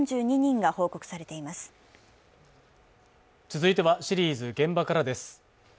続いてはシリーズ「現場から」です。